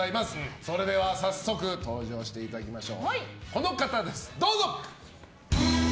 それでは早速登場していただきます。